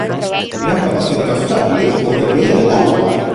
Eran capaces de cazar lejos de la orilla del agua.